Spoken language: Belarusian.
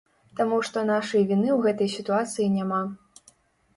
Таму што нашай віны ў гэтай сітуацыі няма.